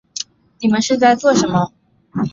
你们是在做什么